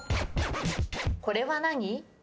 これは何？